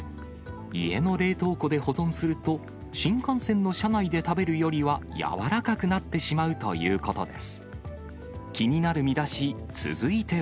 家の冷凍庫で保存すると、新幹線の車内で食べるよりは軟らかくなってしまうということです。